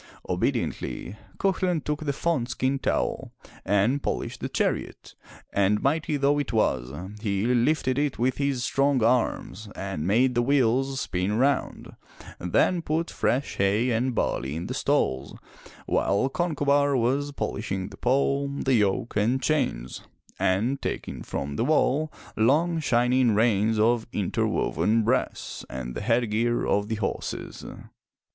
Obediently, Cuchulain took the fawn skin towel and polished the chariot, and mighty though it was, he lifted it with his strong arms and made the wheels spin round, then put fresh hay and barley in the stalls while Concobar was polishing the pole, the yoke and chains, and taking from the wall long shining reins of interwoven brass and the head gear of the horses.